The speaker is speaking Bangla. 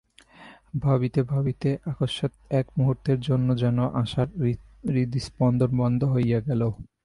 ভাবিতে ভাবিতে অকসমাৎ এক মুহূর্তের জন্য যেন আশার হৃৎস্পন্দন বন্ধ হইয়া গেল।